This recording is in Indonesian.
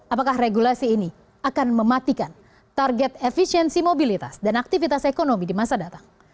apakah regulasi ini akan mematikan target efisiensi mobilitas dan aktivitas ekonomi di masa datang